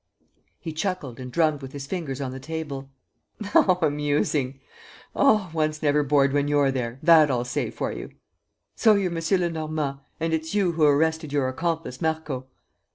He chuckled and drummed with his fingers on the table. "How amusing! Oh, one's never bored when you're there, that I'll say for you! So you're M. Lenormand, and it's you who arrested your accomplice Marco!"